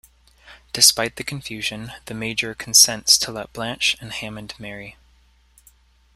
Despite the confusion, the Major consents to let Blanche and Hammond marry.